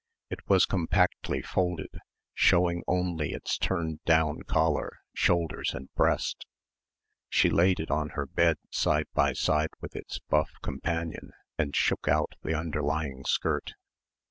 It was compactly folded, showing only its turned down collar, shoulders and breast. She laid it on her bed side by side with its buff companion and shook out the underlying skirt....